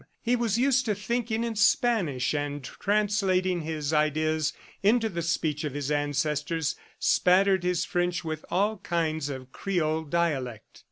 He was used to thinking in Spanish, and translating his ideas into the speech of his ancestors spattered his French with all kinds of Creole dialect.